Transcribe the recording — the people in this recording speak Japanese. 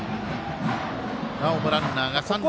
なおもランナーは三塁。